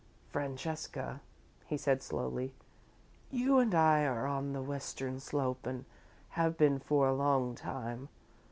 "Francesca," he said, slowly, "you and I are on the Western slope and have been for a long time.